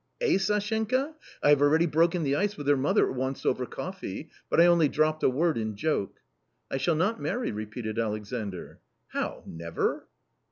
Eh ? Sashenka ? I have already broken the ice with her mother once over coffee, but I only dropped a word in joke." " I shall not marry," repeated Alexandr. " How, never